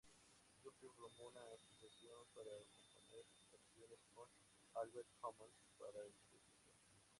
Duffy formó una asociación para componer canciones con Albert Hammond para el registro.